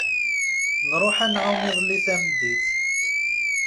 Nruḥ ad nεumm iḍelli tameddit.